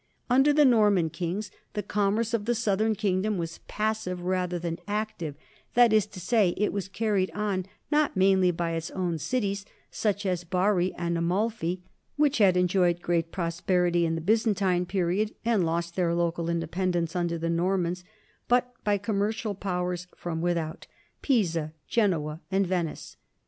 Under the Norman kings the commerce of the southern kingdom was passive, rather than active, that is to say, it was carried on, not mainly by its own cities, such as Bari and Amalfi, which had enjoyed great prosperity in the Byzantine period and lost their local independ ence under the Normans, but by commercial powers from without Pisa, Genoa, and Venice.